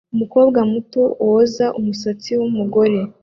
Umukobwa muto woza umusatsi wumugore